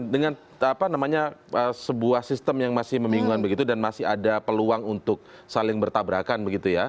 dengan sebuah sistem yang masih membingungkan begitu dan masih ada peluang untuk saling bertabrakan begitu ya